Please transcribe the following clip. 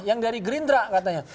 yang dari gerindra katanya